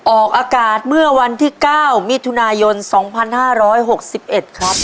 ออกอากาศเมื่อวันที่๙มิถุนายน๒๕๖๑ครับ